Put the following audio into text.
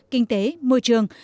kinh tế môi trường